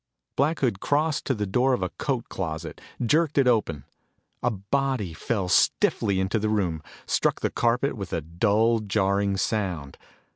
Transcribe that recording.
Black Hood crossed to the door of a coat closet, jerked it open. A body fell stiffly into the room, struck the carpet with a dull, jarring sound.